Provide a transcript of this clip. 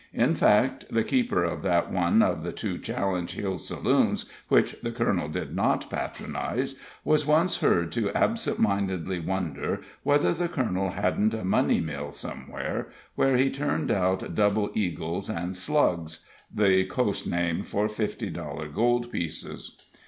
In fact, the keeper of that one of the two Challenge Hill saloons which the colonel did not patronize was once heard to absentmindedly wonder whether the colonel hadn't a money mill somewhere, where he turned out double eagles and "slugs" (the Coast name for fifty dollar gold pieces).